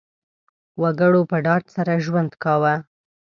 وګړو په ډاډ سره ژوند کاوه.